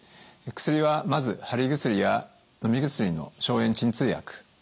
薬はまず貼り薬やのみ薬の消炎鎮痛薬。